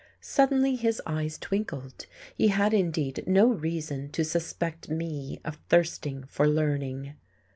Suddenly his eyes twinkled. He had indeed no reason to suspect me of thirsting for learning.